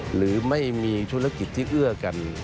หรือไม่มีธุรกิจที่เอื้อกัน